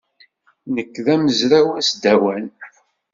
Nekk d amezraw asdawan.